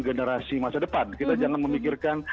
generasi masa depan kita jangan memikirkan